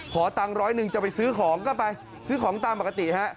ขอตังค์ร้อยหนึ่งจะไปซื้อของก็ไปซื้อของตามปกติฮะ